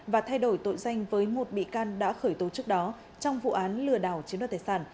và thay đổi tội danh với một bị can đã khởi tố trước đó trong vụ án lừa đảo chiếm đoạt tài sản